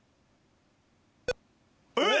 えっ！